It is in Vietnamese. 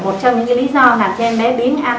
một trong những lý do làm cho em bé biến ăn